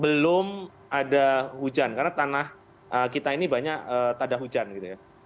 belum ada hujan karena tanah kita ini banyak tak ada hujan gitu ya